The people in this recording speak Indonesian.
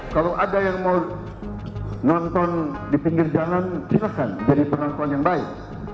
kalau ada yang mau nonton di pinggir jalan silahkan jadi penonton yang baik